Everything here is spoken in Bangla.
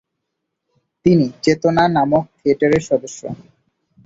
তিনি "চেতনা" নামক থিয়েটার-এর সদস্য।